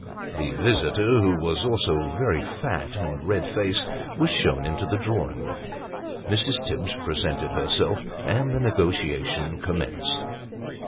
The visitor (who was very fat and red faced) was shown into the drawing room ; Mrs. Tibbs presented herself, and the negotiation commenced.